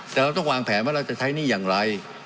แต่เราต้องวางแผนว่าเราจะใช้หนี้อย่างไร